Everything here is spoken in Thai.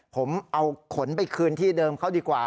ผมเอาขนไปคืนที่เดิมเขาดีกว่า